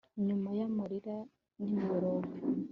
nyuma y'amarira n'imiborogo